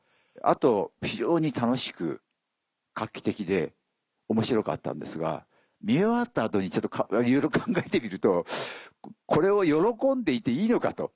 あと非常に楽しく画期的で面白かったんですが見終わった後にいろいろ考えてみるとこれを喜んでいていいのかと。